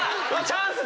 チャンス！